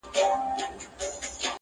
تر څو به نوي جوړوو زاړه ښارونه سوځو؟!.